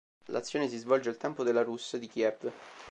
L'azione si svolge al tempo della Rus' di Kiev.